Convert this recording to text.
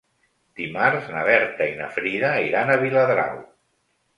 Dimarts na Berta i na Frida iran a Viladrau.